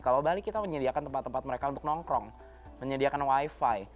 kalau bali kita menyediakan tempat tempat mereka untuk nongkrong menyediakan wifi